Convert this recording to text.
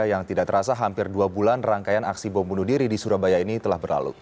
yang tidak terasa hampir dua bulan rangkaian aksi bom bunuh diri di surabaya ini telah berlalu